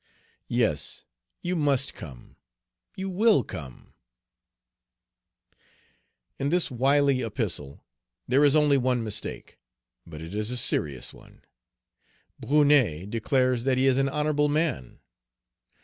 Yes, you must come; you will come." Page 231 In this wily epistle there is only one mistake, but it is a serious one. Brunet declares that he is an honorable man.